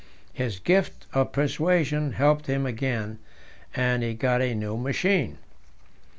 His gift of persuasion helped him again, and he got a new machine.